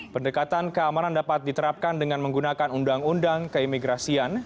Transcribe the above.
pendekatan keamanan dapat diterapkan dengan menggunakan undang undang keimigrasian